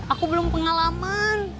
aku belum pengalaman